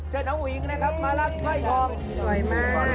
เชิญน้องอุหญิงนะครับมารับสวยท่อง